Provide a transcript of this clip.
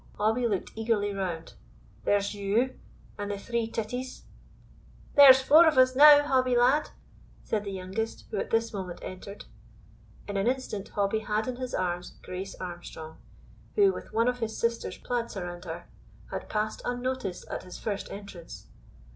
Hobbie looked eagerly round. "There's you, and the three titties." "There's four of us now, Hobbie, lad," said the youngest, who at this moment entered. In an instant Hobbie had in his arms Grace Armstrong, who, with one of his sister's plaids around her, had passed unnoticed at his first entrance.